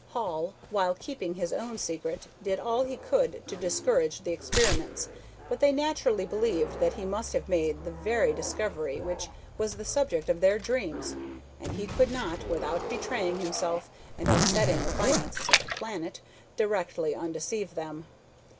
Hall, while keeping his own secret, did all he could to discourage the experiments, but they naturally believed that he must have made the very discovery which was the subject of their dreams, and he could not, without betraying himself, and upsetting the finances of the planet, directly undeceive them.